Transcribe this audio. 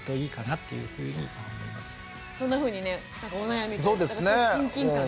そんなふうにねお悩みすごい親近感が。